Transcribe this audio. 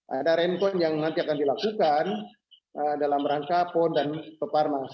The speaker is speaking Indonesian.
ada rain poin yang nanti akan dilakukan dalam rangka pon dan peparnas